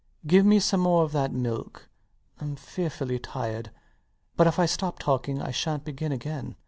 Give me some more of that milk. I'm fearfully tired; but if I stop talking I shant begin again.